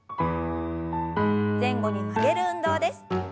前後に曲げる運動です。